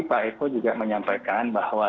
pak eko juga menyampaikan bahwa